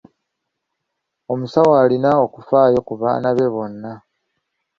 Omusawo alina okufaayo ku baana be bonna.